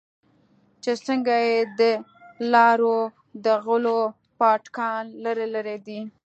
چې څنگه يې د لارو د غلو پاټکان لرې کړې دي.